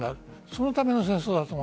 そのための戦争だと思う。